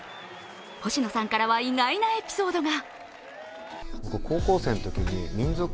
星野さんからは意外なエピソードが。